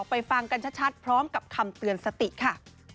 ไปฟังกันชัดพร้อมกับคำเตือนสติค่ะ